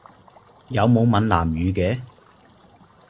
有冇閩南語嘅？